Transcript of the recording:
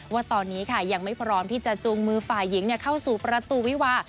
ว่าตอนนี้ค่ะยังไม่พร้อมที่จะจูงมือฝ่ายหญิงเข้าสู่ประตูวิวา